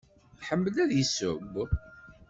Tḥemmel ad yesseww?